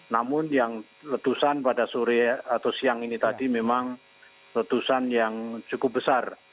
namun yang letusan pada sore atau siang ini tadi memang letusan yang cukup besar